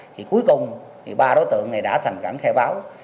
thì cuối cùng ba đối tượng này đã thành trạng khai báo